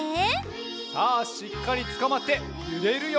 さあしっかりつかまってゆれるよ！